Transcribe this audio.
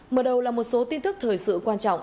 mở đầu là một số tin tức thời sự quan trọng